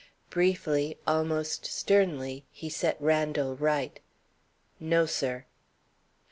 Briefly, almost sternly, he set Randal right. "No, sir."